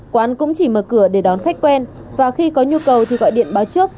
quán cũng chỉ mở cửa để đón khách quen và khi có nhu cầu thì gọi điện báo trước